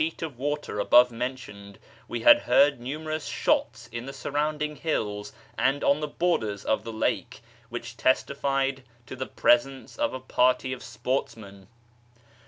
FROM ISFAHAN TO SHIRAZ 257 of water above mentioned we had heard numerous shots in the surrounding hills and on the borders of the lake, which testified to the presence of a party of sportsmen.